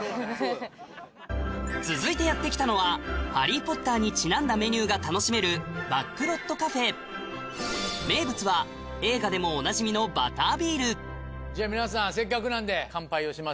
続いてやって来たのは『ハリー・ポッター』にちなんだメニューが楽しめる名物は映画でもおなじみのじゃあ皆さんせっかくなんで乾杯をしましょう。